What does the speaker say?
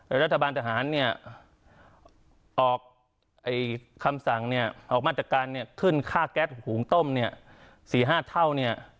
รัฐบาลทหารเนี่ยออกคำสั่งเนี่ยออกมาตรการเนี่ยขึ้นค่าแก๊สหุงต้มเนี่ย๔๕เท่าเนี่ย